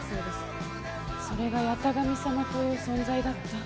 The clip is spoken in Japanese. それが八咫神様という存在だった。